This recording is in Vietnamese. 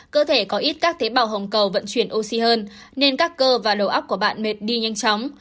cơ thể có ít các tế bào hồng cầu vận chuyển oxy hơn nên các cơ và đầu óc của bạn mệt đi nhanh chóng